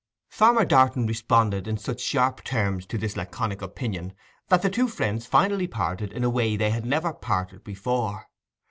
Farmer Darton responded in such sharp terms to this laconic opinion that the two friends finally parted in a way they had never parted before.